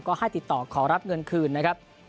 ก็ให้ติดต่อขอรับเงินคืนนะครับ